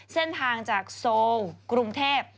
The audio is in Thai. เส้นทางจากโซลกรุงเทพ